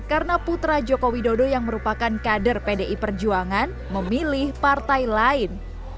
karena putra jokowi dodo yang merupakan kader pdi perjuangan memilih partai lain